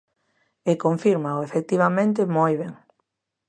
E confírmao, efectivamente, moi ben.